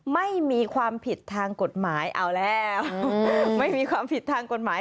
ไม่มีความผิดทางกฎหมายเอาแล้วไม่มีความผิดทางกฎหมาย